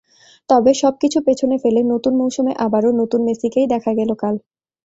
তবে সবকিছু পেছনে ফেলে নতুন মৌসুমে আবারও নতুন মেসিকেই দেখা গেল কাল।